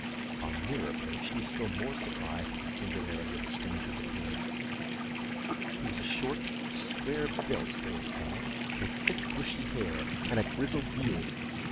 On nearer approach he was still more surprised at the singularity of the stranger's appearance. He was a short square built old fellow, with thick bushy hair, and a grizzled beard.